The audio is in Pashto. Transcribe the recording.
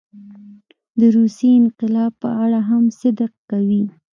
د روسیې انقلاب په اړه هم صدق کوي.